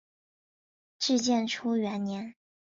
至建初元年。